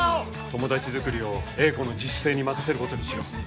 友達作りを英子の自主性に任せることにしよう。